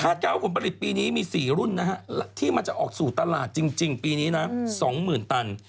การว่าผลผลิตปีนี้มี๔รุ่นนะฮะที่มันจะออกสู่ตลาดจริงปีนี้นะ๒๐๐๐ตัน